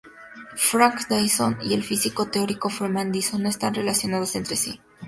Frank Dyson y el físico teórico Freeman Dyson no están relacionados entre sí.